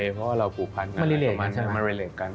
เพราะว่าเราผูปพันธุ์มาริเหลกกัน